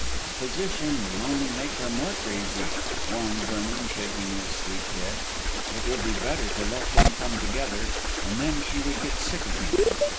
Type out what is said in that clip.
"Opposition will only make her more crazy," warned Vernon, shaking his sleek head. "It would be better to let them come together, and then she would get sick of him.